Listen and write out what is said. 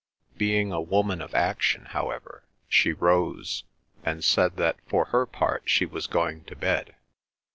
Being a woman of action, however, she rose, and said that for her part she was going to bed.